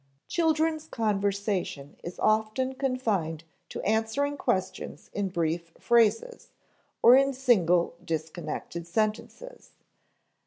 Children's conversation is often confined to answering questions in brief phrases, or in single disconnected sentences.